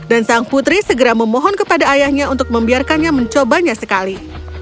dan sang putri segera memohon kepada ayahnya untuk membiarkannya mencobanya sekali